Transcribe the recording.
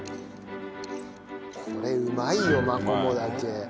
これうまいよマコモダケ。